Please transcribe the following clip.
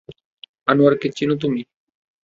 আনোয়ার কে চিনো তুমি?